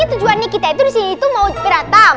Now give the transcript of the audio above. assalamualaikum warahmatullahi wabarakatuh